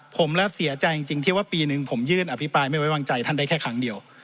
ผมและเสียใจจริงที่ว่าปีหนึ่งผมยื่นอภิปรายไม่ไว้วางใจท่านได้แค่ครั้งเดียว